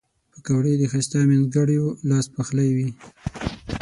پکورې د ښایسته مینځګړیو لاس پخلي وي